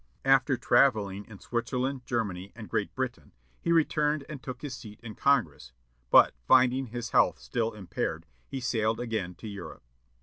After travelling in Switzerland, Germany, and Great Britain, he returned and took his seat in Congress, but, finding his health still impaired, he sailed again to Europe.